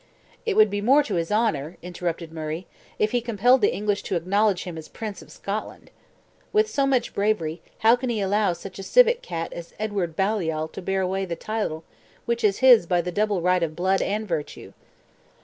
"It would be more to his honor," interrupted Murray, "if he compelled the English to acknowledge him as Prince of Scotland. With so much bravery, how can he allow such a civetcat as Edward Baliol to bear away the title, which is his by the double right of blood and virtue?"